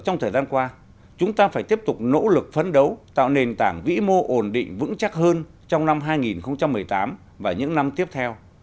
trong thời gian qua chúng ta phải tiếp tục nỗ lực phấn đấu tạo nền tảng vĩ mô ổn định vững chắc hơn trong năm hai nghìn một mươi tám và những năm tiếp theo